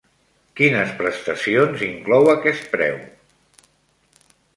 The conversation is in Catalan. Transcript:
Quines prestacions inclou aquest preu?